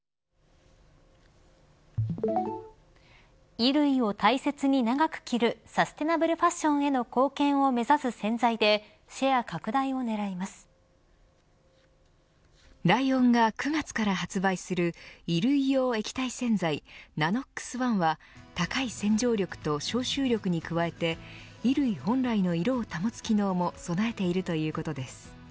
衣類を長く着るサステナブルファッションへの貢献を目指す洗剤でライオンが９月から発売する衣類用液体洗剤ＮＡＮＯＸｏｎｅは高い洗浄力と消臭力に加えて衣類本来の色を保つ機能も備えているということです。